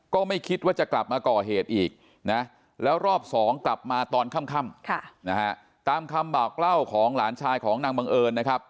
ก็ไม่คิดว่าจะกลับมาก่อเหตุอีกนะแล้วรอบสองกลับมาตอนค่ำตามคำบอกเล่าของหลานชายของนางบังเอิญนะครับ